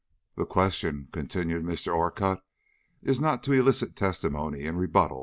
"The question," continued Mr. Orcutt, "is not to elicit testimony in rebuttal."